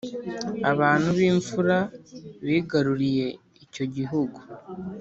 Abantu b ‘imfura bigaruriye icyo gihugu.